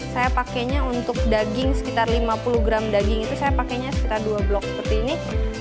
saya pakainya untuk daging sekitar lima puluh gram daging itu saya pakainya sekitar dua blok seperti ini